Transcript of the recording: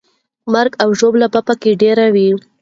مرګ او ژوبله به پکې ډېره وي.